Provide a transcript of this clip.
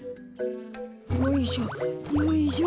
よいしょよいしょ。